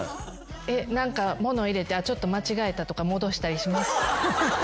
何か物入れてちょっと間違えたとか戻したりします？